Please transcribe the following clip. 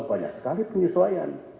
banyak sekali penyesuaian